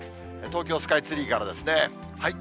東京スカイツリーからですね。